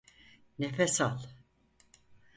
Nefes al!